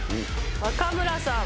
若村さん。